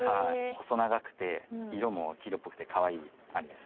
細長くて色も黄色っぽくて可愛いアリです。